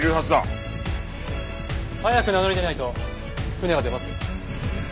早く名乗り出ないと船が出ますよ。